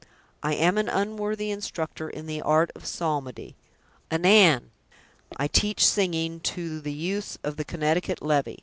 "I am an unworthy instructor in the art of psalmody." "Anan!" "I teach singing to the youths of the Connecticut levy."